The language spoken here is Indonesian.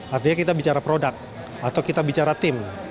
artinya kita bicara produk atau kita bicara tim